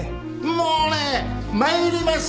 もうね参りました！